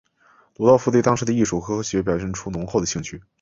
鲁道夫对当时的艺术和科学表现出浓厚的兴趣。